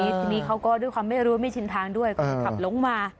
ทีนี้เขาก็ด้วยความไม่รู้ไม่ชินทางด้วยก็ขับลงมา